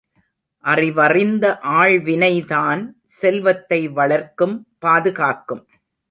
அறிவறிந்த ஆள்வினைதான் செல்வத்தை வளர்க்கும் பாதுகாக்கும்!